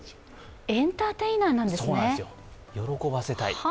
エンターテイナーなんですね。